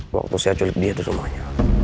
waktu saya culik dia itu semuanya